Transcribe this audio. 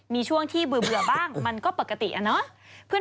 มีช่วงที่เบื่อบ้างมันก็ปกติอะเนาะ